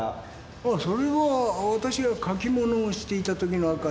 ああそれはわたしが書き物をしていた時の明かりだ。